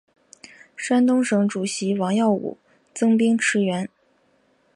山东省主席王耀武增兵驰援。